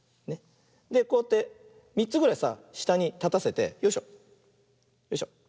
でこうやって３つぐらいさしたにたたせてよいしょよいしょ。